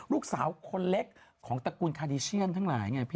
ลูกสาวคนเล็กของตระกูลคาดิเชียนทั้งหลายไงพี่